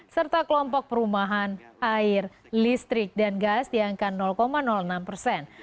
serta kelompok perumahan air listrik dan gas di angka enam persen